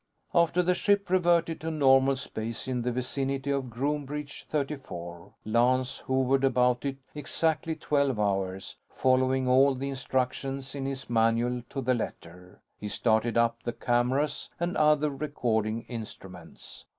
After the ship reverted to normal space in the vicinity of Groombridge 34, Lance hovered about it exactly twelve hours, following all the instructions in his manual to the letter. He started up the cameras and other recording instruments.